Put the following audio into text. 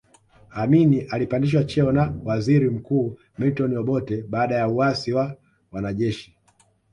Amin alipandishwa cheo na waziri mkuu Milton Obote baada ya uasi wa wanajeshi